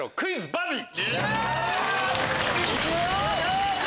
バディ！